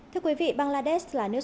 thưa quý vị bangladesh là nước